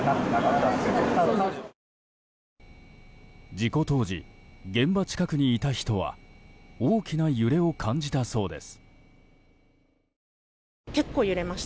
事故当時、現場近くにいた人は大きな揺れを感じたそうです。